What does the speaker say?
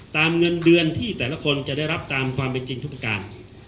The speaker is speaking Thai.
เงินเดือนที่แต่ละคนจะได้รับตามความเป็นจริงทุกประการ